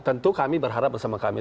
tentu kami berharap bersama kami